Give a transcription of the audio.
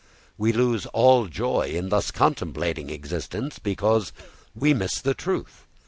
We lose all joy in thus contemplating existence, because we miss the truth.